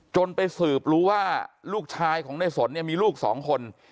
จนไปสืบรู้ว่าลูกชายของเนษนมีลูกสองคน